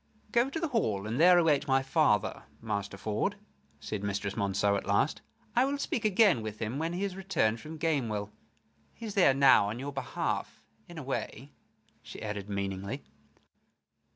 "Go to the hall, and there await my father, Master Ford," said Mistress Monceux, at last. "I will speak again with him when he has returned from Gamewell. He is there now on your behalf, in a way," she added, meaningly.